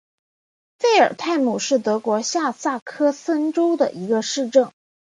费尔泰姆是德国下萨克森州的一个市镇。